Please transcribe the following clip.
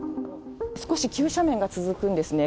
少し急斜面が続くんですね。